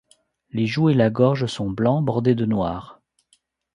Les joues et la gorge sont blancs, bordés de noir.